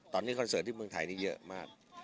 ตอนนี้คอนเสิร์ตที่เมืองไทยนี่เยอะมาก